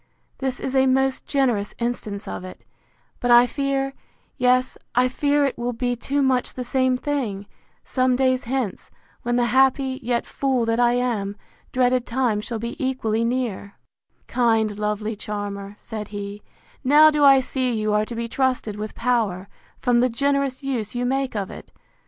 This is a most generous instance of it; but I fear—yes, I fear it will be too much the same thing, some days hence, when the happy, yet, fool that I am! dreaded time, shall be equally near! Kind, lovely charmer! said he, now do I see you are to be trusted with power, from the generous use you make of it!